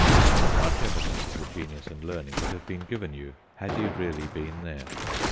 But much evidence of the genius and learning would have been given you had you really been there.